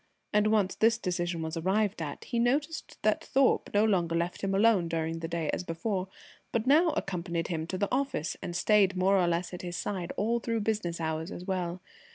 And once this decision was arrived at, he noticed that Thorpe no longer left him alone during the day as before, but now accompanied him to the office and stayed more or less at his side all through business hours as well.